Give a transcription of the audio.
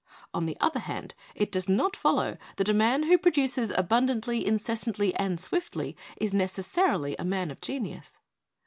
On the other hand, it does not follow that a man who produces abundantly, incessantly and swiftly is necessarily a man of genius.